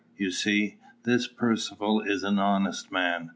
_ You see, this Percivale is an honest man.